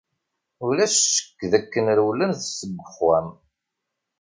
Ulac ccekk dakken rewlen seg uxxam.